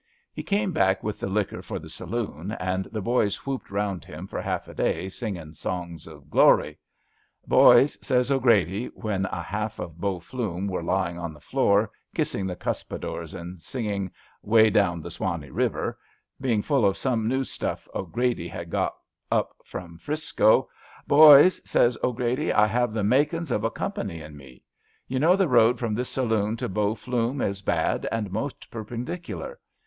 He came back with the liquor for the saloon, and the boys whooped round him for half a day, singing songs of glory. * Boys,' says 'Grady, when a half of Bow Flume were lying on the jfloor kissing the cuspidors and singing * Way Down the Swanee Eiver,' being full of some new stuff 'Grady had got up from 'Frisco —* boys,* says 'Grady, * I have the makings of a company in me. You know the road from this saloon to Bow Flume is bad and 'most perpendicular.